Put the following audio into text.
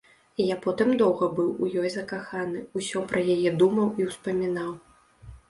Я потым доўга быў у ёй закаханы, усё пра яе думаў і ўспамінаў.